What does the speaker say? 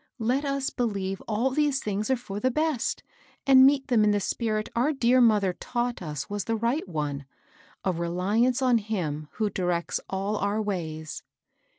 Let us believe all these things are for the best, and meet them in the spirit our dear mother taught us was the right one, — a reliance on Him who directs all our ways."